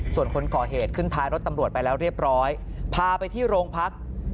ส่วนคนก่อเหตุขึ้นท้ายรถตำรวจไปแล้วเรียบร้อยพาไปที่โรงพัก